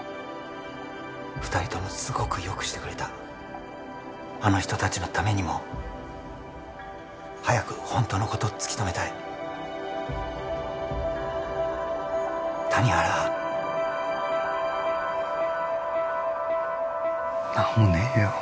二人ともすごくよくしてくれたあの人達のためにも早く本当のこと突き止めたい谷原何もねえよ